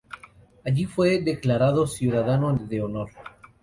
Allí fue declarado Ciudadano de Honor.